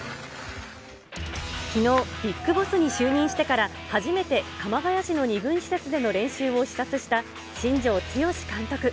きのう、ビッグボスに就任してから初めて鎌ケ谷市の２軍施設での練習を視察した新庄剛志監督。